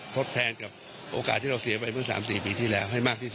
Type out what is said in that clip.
ทดแทนกับโอกาสที่เราเสียไปเมื่อ๓๔ปีที่แล้วให้มากที่สุด